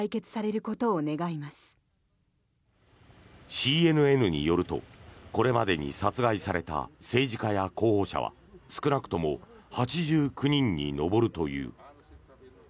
ＣＮＮによるとこれまでに殺害された政治家や候補者は少なくとも８９人に上るという。